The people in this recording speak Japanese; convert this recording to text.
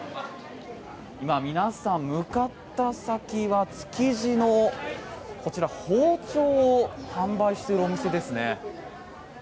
今、皆さん向かった先は築地のこちら、包丁を販売しているお店ですね。